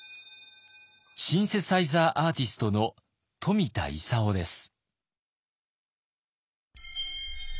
シンセサイザー・アーティストの冨田勲です。